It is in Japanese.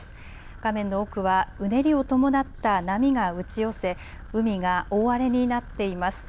画面の奥はうねりを伴った波が打ち寄せ海が大荒れになっています。